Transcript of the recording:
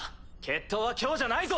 決闘は今日じゃないぞ。